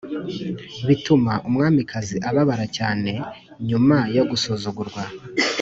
bituma umwamikazi ababara cyane nyuma yo gusuzugurwa